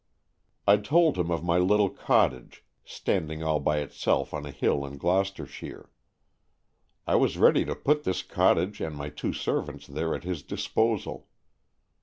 I told him of my little cottage, standing all by itself on a hill in Gloucestershire. I was ready to put this cottage and my two servants there at his disposal.